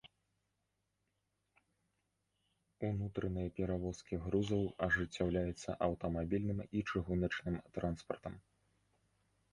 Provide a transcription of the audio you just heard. Унутраныя перавозкі грузаў ажыццяўляюцца аўтамабільным і чыгуначным транспартам.